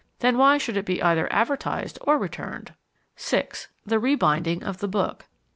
Then why should it be either advertised or returned? (6) The rebinding of the book.